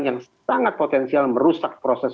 yang sangat potensial merusak proses